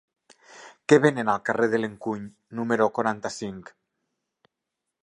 Què venen al carrer de l'Encuny número quaranta-cinc?